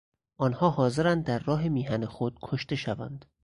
آنها حاضرند در راه میهن خود کشته شوند.